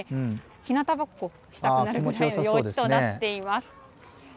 日向ぼっこしたくなるような陽気となっています。